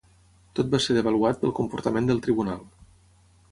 tot va ser devaluat pel comportament del tribunal